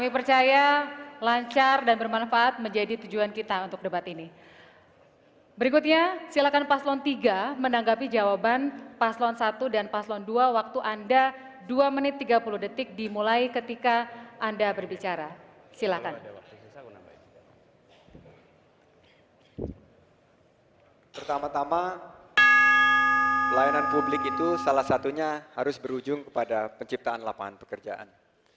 pertama tama pelayanan publik itu salah satunya harus berujung kepada penciptaan lapangan pekerjaan